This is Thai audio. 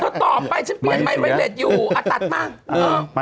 ถ้าตอบไปจะเปลี่ยนไมค์ไวเล็ตอยู่อ่ะตัดมา